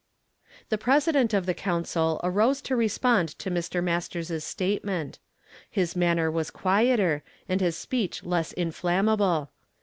The President of the Council arose to respond to Mr. Mastei s's statement. His manner was quieter, and his speech less inflammable.